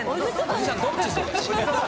「おじさんどっちなんだ？」